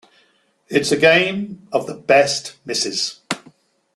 It's a game of the best misses.